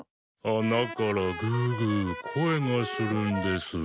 あなからぐぐこえがするんです。